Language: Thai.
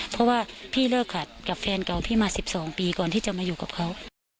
เพราะว่าพี่เลิกขัดกับแฟนเก่าพี่มา๑๒ปีก่อนที่จะมาอยู่กับเขา